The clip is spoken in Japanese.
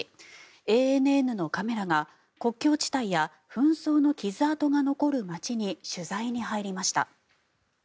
ＡＮＮのカメラが国境地帯や紛争の傷痕が残る街に取材に入りました。